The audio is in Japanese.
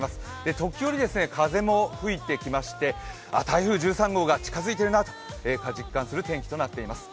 時折、風も吹いてきまして、台風１３号が近づいているなと実感する天気となっています。